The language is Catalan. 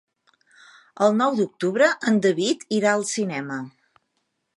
El nou d'octubre en David irà al cinema.